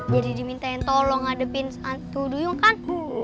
jadi diminta tolong ngadepin hantu duyung kan